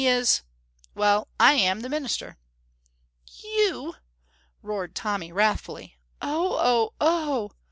"He is well, I am the minister." "You!" roared Tommy, wrathfully. "Oh, oh, oh!"